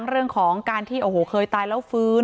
เรื่องของการที่โอ้โหเคยตายแล้วฟื้น